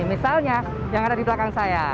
misalnya yang ada di belakang saya